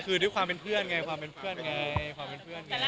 เพราะว่าเราไปซุปเปอร์ทีเดียวกัน